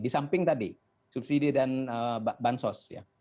di samping tadi subsidi dan bank sos